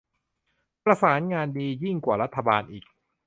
ประสานงานดียิ่งกว่ารัฐบาลอีก